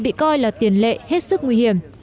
bị coi là tiền lệ hết sức nguy hiểm